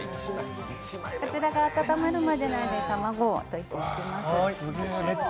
こちらが温まるまでの間に卵をといていきます。